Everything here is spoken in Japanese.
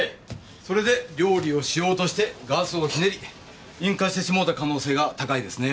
それで料理をしようとしてガスをひねり引火してしもうた可能性が高いですね。